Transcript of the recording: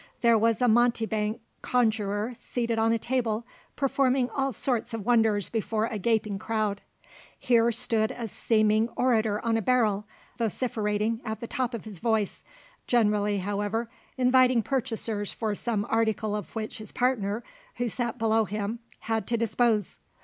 There was a mountebank conjurer seated on a table, performing all sorts of wonders before a gaping crowd. Here stood a seeming orator on a barrel, vociferating at the top of his voice, generally, however, inviting purchasers for some article of which his partner, who sat below him, had to dispose.